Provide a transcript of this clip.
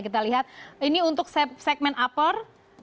kita lihat ini untuk segmen upper